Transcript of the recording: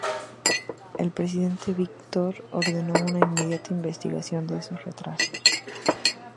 El Presidente Víktor Yúshchenko ordenó una inmediata investigación de esos retrasos.